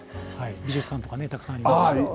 美術館とかね、たくさんありますし。